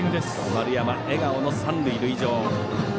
丸山、笑顔の三塁塁上。